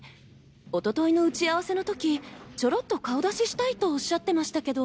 おとといの打ち合わせの時チョロッと顔出ししたいとおっしゃってましたけど。